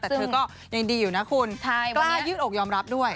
แต่เธอก็ยังดีอยู่นะคุณวันนี้ยืดอกยอมรับด้วย